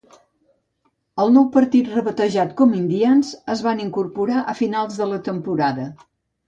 El nou partit rebatejat com Indians es van incorporar a finals de la temporada.